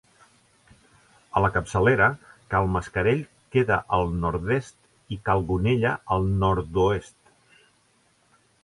A la capçalera, Cal Mascarell queda al nord-est i Cal Gonella al nord-oest.